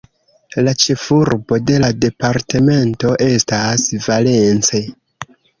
La ĉefurbo de la departemento estas Valence.